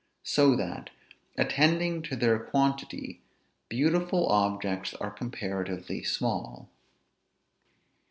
So that, attending to their quantity, beautiful objects are comparatively small.